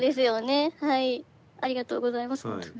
ありがとうございます。